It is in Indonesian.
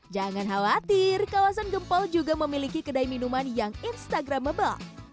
jangan khawatir kawasan gempol juga memiliki kedai minuman yang instagramable